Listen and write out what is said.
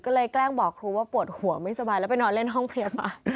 ก็เลยแกล้งบอกครูว่าปวดหัวไม่สบายแล้วไปนอนเล่นห้องเพลียมา